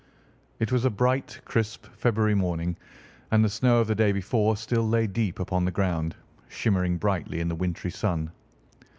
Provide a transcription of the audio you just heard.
It was a bright, crisp February morning, and the snow of the day before still lay deep upon the ground, shimmering brightly in the wintry sun.